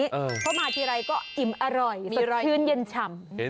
เพราะมาทีไรก็อิ่มอร่อยสดชื่นเย็นฉ่ำ